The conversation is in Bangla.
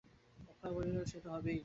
অক্ষয় কহিলেন, সে তো হবেই।